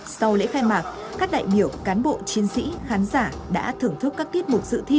sau lễ khai mạc các đại biểu cán bộ chiến sĩ khán giả đã thưởng thức các tiết mục dự thi